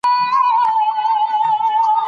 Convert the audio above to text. علامه حبيبي د علمي بحثونو ملاتړ کاوه.